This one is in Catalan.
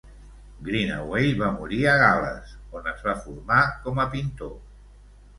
Greenaway va morir a Gal·les, on es va formar com a pintor.